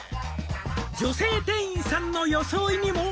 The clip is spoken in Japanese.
「女性店員さんの装いにも」